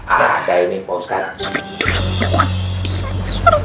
ada ini mau sekarang